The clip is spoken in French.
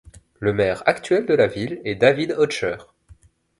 Le maire actuel de la ville est David Hatcher.